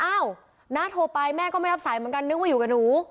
น้าโทรไปแม่ก็ไม่รับสายเหมือนกันนึกว่าอยู่กับหนู